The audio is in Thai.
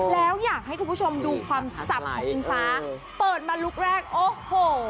แล้วอยากให้คุณผู้ชมดูความสับของอิงฟ้าเปิดมาลุคแรกโอ้โห